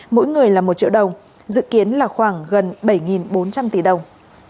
mỗi người là một triệu đồng dự kiến là khoảng gần bảy bốn trăm linh tỷ đồng